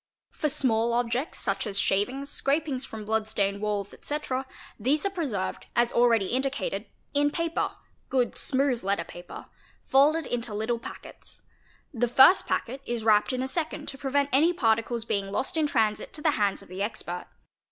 For small objects such as shavings, scrapings from blood stained walls, etc., these are preserved, as already | indicated, in paper (good, smooth letter paper) folded into little packets. — The first packet is wrapped in a second to prevent any particles being lost in transit to the hands of the expert.